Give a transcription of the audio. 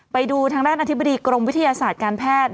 ไปดูทางด้านอธิบดีกรมวิทยาศาสตร์การแพทย์